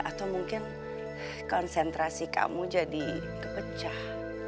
atau mungkin konsentrasi kamu jadi pecah